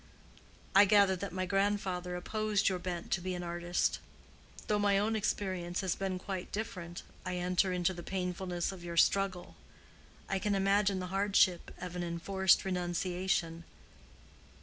"I gather that my grandfather opposed your bent to be an artist. Though my own experience has been quite different, I enter into the painfulness of your struggle. I can imagine the hardship of an enforced renunciation."